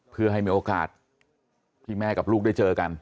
เพื่อให้มีโอกาสที่แม่กับลูกได้เจอกัน